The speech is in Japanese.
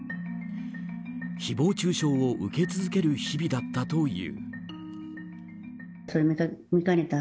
誹謗中傷を受け続ける日々だったという。